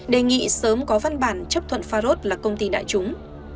đề nghị sớm có văn bản chấp thuận farod là công ty đại chúng